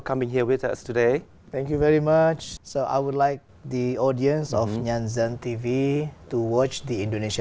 và những gì là những thứ đặc biệt của anh trong văn hóa indonesia